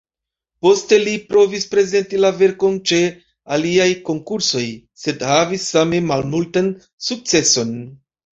Poste li provis prezenti la verkon ĉe aliaj konkursoj, sed havis same malmultan sukceson.